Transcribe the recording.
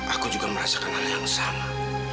aku juga merasa kenalan yang sama